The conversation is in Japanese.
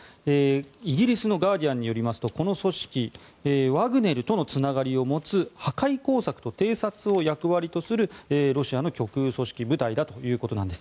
イギリスのガーディアンによりますとこの組織ワグネルとのつながりを持つ破壊工作と偵察を役割とするロシアの極右組織部隊だということです。